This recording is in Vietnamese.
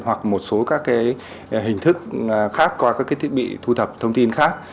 hoặc một số các hình thức khác qua các thiết bị thu thập thông tin khác